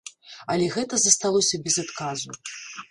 Але гэта засталося без адказу.